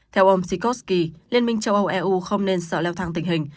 theo ông tikosky liên minh châu âu eu không nên sợ leo thang tình hình